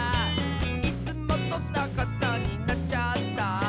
「いつもとさかさになっちゃった」